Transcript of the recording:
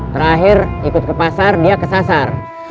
terakhir ikut ke pasar dia kesasar